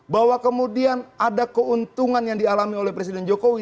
bahwa kemudian ada keuntungan yang dialami oleh presiden jokowi